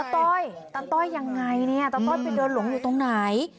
ต้อยตาต้อยยังไงเนี่ยตาต้อยไปเดินหลงอยู่ตรงไหน